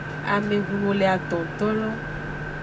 Amehunu le atontolo.